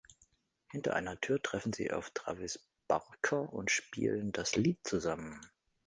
Hinter einer Tür treffen sie auf Travis Barker und spielen das Lied zusammen.